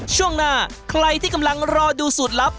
ช่วงหน้าใครที่กำลังรอดูสูตรลับ